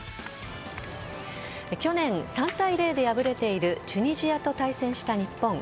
去年３対０で敗れているチュニジアと対戦した日本。